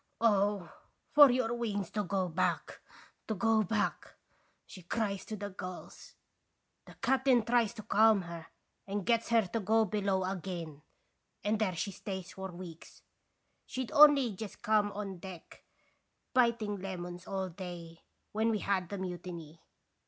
"'Oh! for your wings to go back to go back !' she cries to the gulls. "The captain tries to calm her, and gets her to go below agin, and there she stays for weeks. She 'd only just come on deck, biting lemons all day, when we had the mutiny.